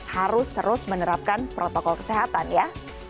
harus terus menerapkan protokol kesehatan ya